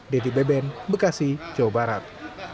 dedy beben bekasi jawa barat